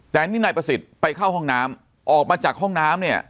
แต่นี่นายประสิทธิ์ไปเข้าห้องน้ำออกมาจากห้องน้ำเนี่ย